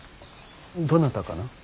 どなたかな。